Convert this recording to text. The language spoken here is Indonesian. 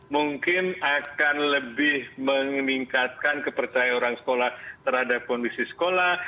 mungkin akan lebih meningkatkan kepercayaan orang sekolah terhadap kondisi sekolah